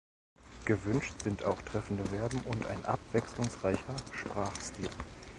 Gewünscht sind auch treffende Verben und ein abwechslungsreicher Sprachstil.